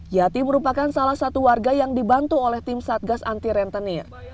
yati merupakan salah satu warga yang dibantu oleh tim satgas anti rentenir